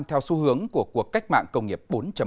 theo xu hướng của cuộc cách mạng công nghiệp bốn